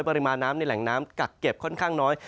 ปริมาณน้ำในแหล่งน้ำกักเก็บค่อนข้างน้อย